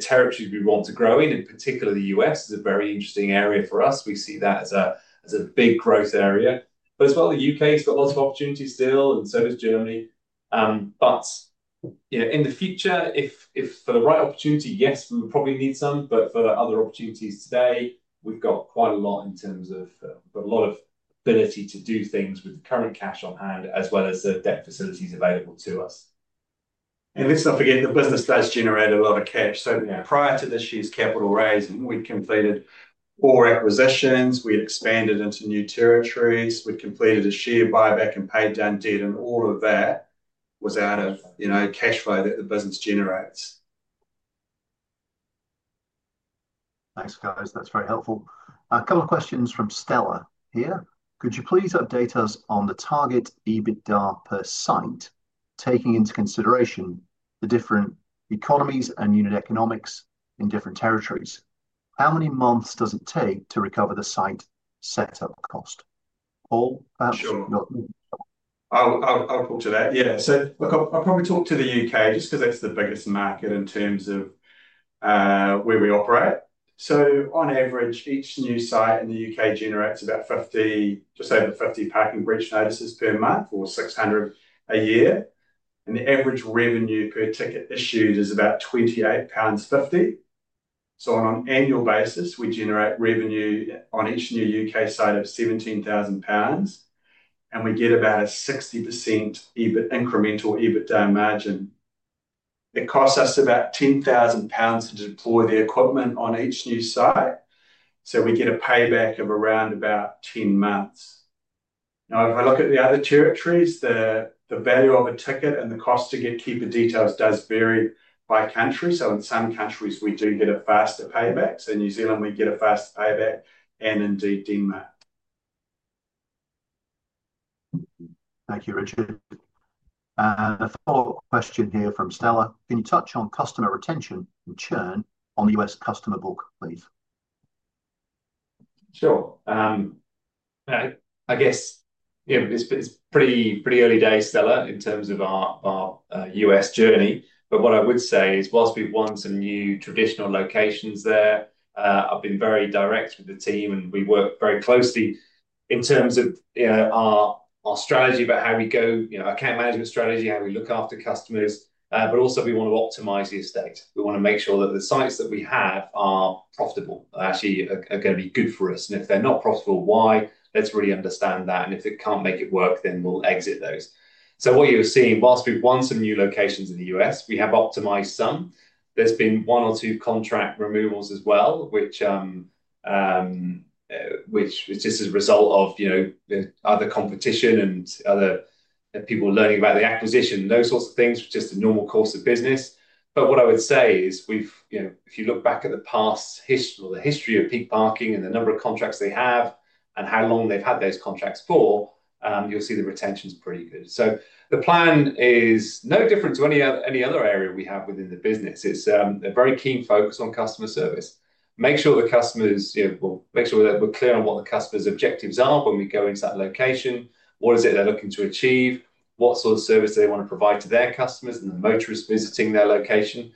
territories we want to grow in, and particularly the U.S. is a very interesting area for us. We see that as a big growth area. The U.K.'s got lots of opportunities still, and so does Germany. In the future, if for the right opportunity, yes, we would probably need some, but for the other opportunities today, we've got quite a lot in terms of a lot of ability to do things with the current cash on hand, as well as the debt facilities available to us. Let's not forget the business does generate a lot of cash. Prior to this year's capital raising, we completed four acquisitions. We'd expanded into new territories. We'd completed a share buyback and paid down debt, and all of that was out of cash flow that the business generates. Thanks, guys. That's very helpful. A couple of questions from Stella here. Could you please update us on the target EBITDA per site, taking into consideration the different economies and unit economics in different territories? How many months does it take to recover the site sector cost? Paul, perhaps? Sure. I'll talk to that. I'll probably talk to the U.K. just because that's the biggest market in terms of where we operate. On average, each new site in the U.K. generates about 50, just over 50 Parking Breach Notices per month or 600 a year. The average revenue per ticket issued is about £28.50. On an annual basis, we generate revenue on each new U.K. site of £17,000, and we get about a 60% incremental EBITDA margin. It costs us about £10,000 to deploy the equipment on each new site. We get a payback of around about 10 months. If I look at the other territories, the value of a ticket and the cost to get keeper details does vary by country. In some countries, we do get a faster payback. In New Zealand, we get a faster payback, and indeed Denmark. Thank you, Richard. The follow-up question here from Stella. Can you touch on customer retention and churn on the U.S. customer book, please? Sure. I guess it's pretty early days, Stella, in terms of our U.S. journey. What I would say is, whilst we've won some new traditional locations there, I've been very direct with the team, and we work very closely in terms of our strategy about how we go, our account management strategy, how we look after customers. We want to optimize the estate. We want to make sure that the sites that we have are profitable, actually are going to be good for us. If they're not profitable, why? Let's really understand that. If it can't make it work, then we'll exit those. What you're seeing, whilst we've won some new locations in the U.S., we have optimized some. There's been one or two contract removals as well, which is just a result of other competition and other people learning about the acquisition, those sorts of things, which is just a normal course of business. What I would say is, if you look back at the past history or the history of Peak Parking and the number of contracts they have and how long they've had those contracts for, you'll see the retention is pretty good. The plan is no different to any other area we have within the business. It's a very keen focus on customer service. Make sure the customers, you know, we'll make sure that we're clear on what the customer's objectives are when we go into that location. What is it they're looking to achieve? What sort of service do they want to provide to their customers and the motorists visiting their location?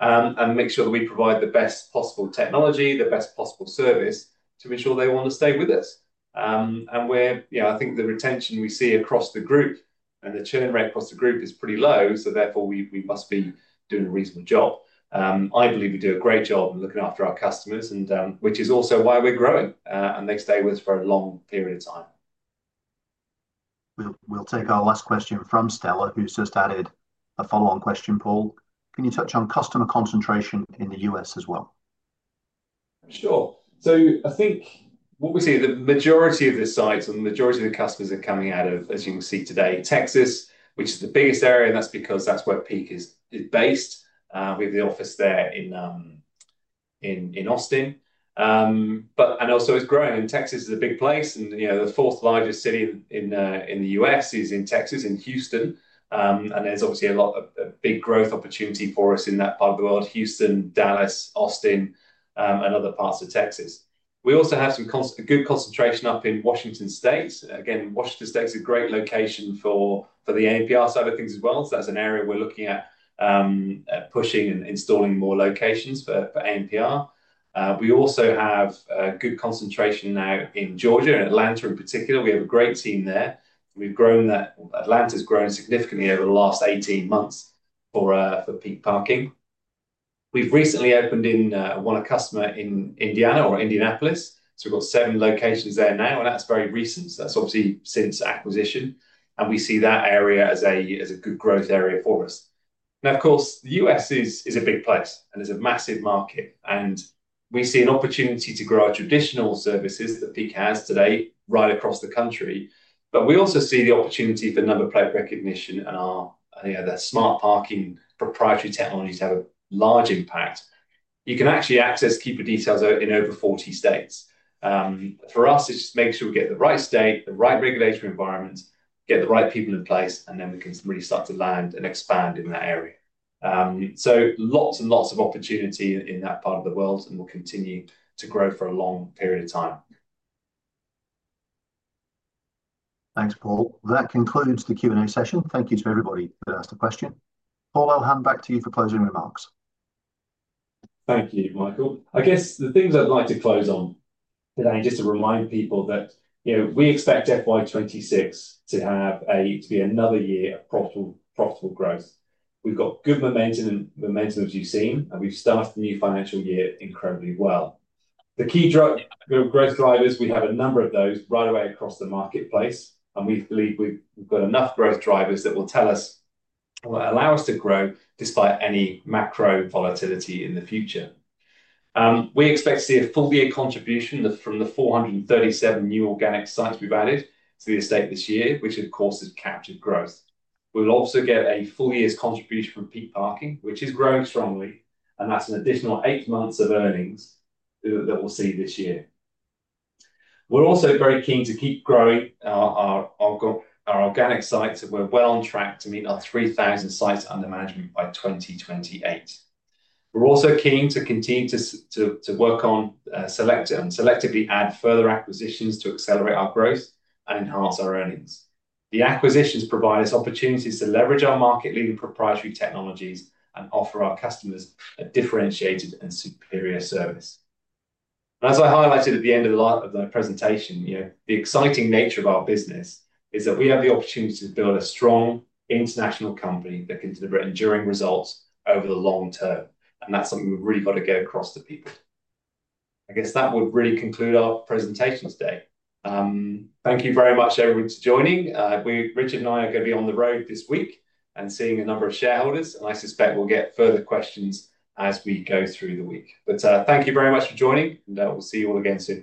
Make sure that we provide the best possible technology, the best possible service to ensure they want to stay with us. I think the retention we see across the group and the churn rate across the group is pretty low, so therefore we must be doing a reasonable job. I believe we do a great job in looking after our customers, which is also why we're growing and they stay with us for a long period of time. We'll take our last question from Stella. If you're so started, a follow-on question, Paul. Can you touch on customer concentration in the U.S. as well? Sure. I think what we see, the majority of the sites and the majority of the customers are coming out of, as you can see today, Texas, which is the biggest area, and that's because that's where Peak Parking is based. We have the office there in Austin. Also, it's growing. Texas is a big place, and the fourth largest city in the U.S. is in Texas, in Houston. There's obviously a lot of big growth opportunity for us in that part of the world: Houston, Dallas, Austin, and other parts of Texas. We also have some good concentration up in Washington State. Again, Washington State is a great location for the ANPR side of things as well. That's an area we're looking at pushing and installing more locations for ANPR. We also have a good concentration now in Georgia, in Atlanta in particular. We have a great team there. We've grown that. Atlanta's grown significantly over the last 18 months for Peak Parking. We've recently opened in one customer in Indiana or Indianapolis. We've got seven locations there now, and that's very recent. That's obviously since acquisition. We see that area as a good growth area for us. Of course, the U.S. is a big place, and it's a massive market. We see an opportunity to grow our traditional services that Peak Parking has today right across the country. We also see the opportunity for number plate recognition and the Smart Parking proprietary technologies to have a large impact. You can actually access keeper details in over 40 states. For us, it's to make sure we get the right state, the right regulatory environment, get the right people in place, and then we can really start to land and expand in that area. Lots and lots of opportunity in that part of the world, and we'll continue to grow for a long period of time. Thanks, Paul. That concludes the Q&A session. Thank you to everybody that asked a question. Paul, I'll hand back to you for closing remarks. Thank you, Michael. I guess the things I'd like to close on today and just to remind people that we expect FY2026 to have another year of profitable growth. We've got good momentum as you've seen, and we've started the new financial year incredibly well. The key growth drivers, we have a number of those right away across the marketplace, and we believe we've got enough growth drivers that will allow us to grow despite any macro volatility in the future. We expect to see a full-year contribution from the 437 new organic sites we've added to the estate this year, which, of course, is captive growth. We'll also get a full year's contribution from Peak Parking, which is growing strongly, and that's an additional eight months of earnings that we'll see this year. We're also very keen to keep growing our organic sites if we're well on track to meet our 3,000 sites under management by 2028. We're also keen to continue to work on and selectively add further acquisitions to accelerate our growth and enhance our earnings. The acquisitions provide us opportunities to leverage our market-leading proprietary technologies and offer our customers a differentiated and superior service. As I highlighted at the end of the presentation, the exciting nature of our business is that we have the opportunity to build a strong international company that can deliver enduring results over the long-term. That's something we really want to get across to people. I guess that will really conclude our presentation today. Thank you very much, everyone, for joining. Richard and I are going to be on the road this week and seeing a number of shareholders, and I suspect we'll get further questions as we go through the week. Thank you very much for joining, and we'll see you all again soon.